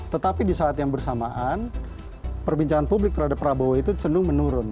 tetapi di saat yang bersamaan perbincangan publik terhadap prabowo itu cenderung menurun